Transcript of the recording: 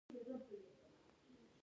پښتو د ټولو ګډه ده.